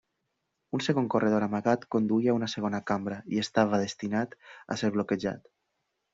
Un segon corredor amagat conduïa a una segona cambra, i estava destinat a ser bloquejat.